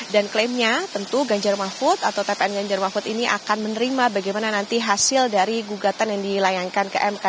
dan klaimnya tentu ganjar mafut atau tpn ganjar mafut ini akan menerima bagaimana nanti hasil dari gugatan yang dilayankan ke mk